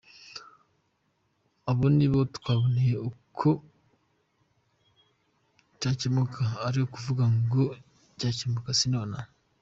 Abo nibo twaboneye uko cyakemuka ariko kuvuga ngo cyakemuka si nonaha.